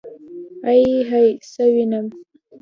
ائ هئ څه وينم.